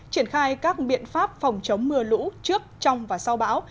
triển khai các biện pháp phòng chống mưa lũ trước trong và sau bão